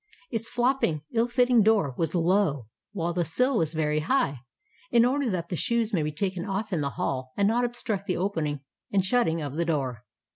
Its flopping, ill fitting door was low, while the sill was very high, in order that the shoes may be taken off in the hall and not obstruct the opening and shutting of the door.